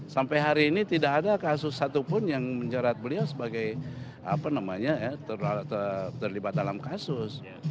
sampai hari ini tidak ada kasus satupun yang menjerat beliau sebagai terlibat dalam kasus